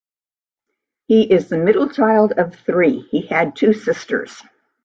He is the middle child of three; he had two sisters.